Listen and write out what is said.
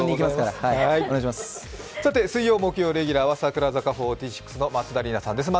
水曜、木曜レギュラーは櫻坂４６の松田里奈さんです。